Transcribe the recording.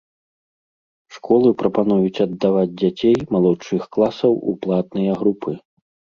Школы прапануюць аддаваць дзяцей малодшых класаў у платныя групы.